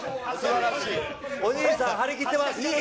お兄さん、張り切ってます。